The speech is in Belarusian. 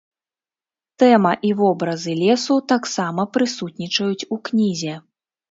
Тэма і вобразы лесу таксама прысутнічаюць у кнізе.